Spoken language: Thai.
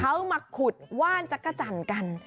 เขามาขุดว่านจักรจันทร์กัน